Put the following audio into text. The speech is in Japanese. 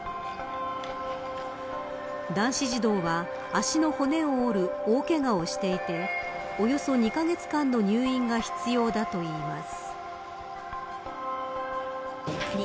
男子児童は足の骨を折る大けがをしていておよそ２カ月間の入院が必要だといいます。